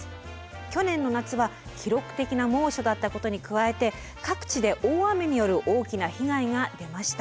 去年の夏は記録的な猛暑だったことに加えて各地で大雨による大きな被害が出ました。